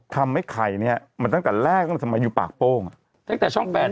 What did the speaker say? ทำไอ้ไข่เนี้ยมาตั้งแต่แรกก็มาอยู่ปากโป้งตั้งแต่ช่องแปด